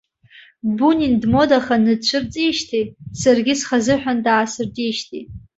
Бунин дмодаханы дцәырҵижьҭеи, саргьы схазыҳәан даасыртижьҭеи.